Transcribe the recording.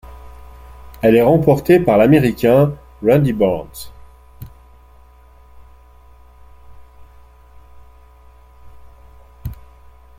Elle est remportée par l'Américain Randy Barnes.